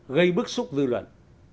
gây bức xúc dư luận